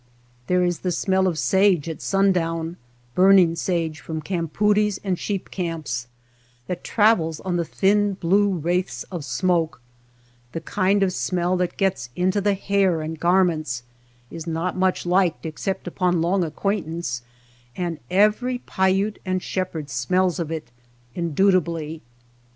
There is the smell of sage at sundown, burning sage from campoodies and sheep camps, that travels on the thin blue wraiths of smoke; the kind of smell that gets into the hair and garments, is not much liked except upon long acquaintance, and every Paiute and shepherd smells of it indubitably.